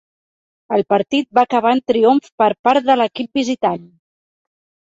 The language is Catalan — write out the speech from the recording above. El partit va acabar en triomf per part de l'equip visitant.